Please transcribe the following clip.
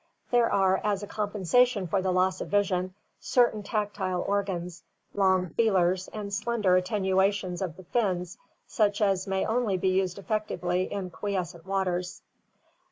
There are, as a compensation for the loss of vision, certain tactile organs, long feelers, and slender attenuations of the fins such as may only be used effectively in quiescent waters.